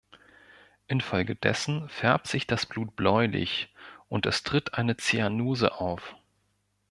Infolgedessen färbt sich das Blut bläulich und es tritt eine Zyanose auf.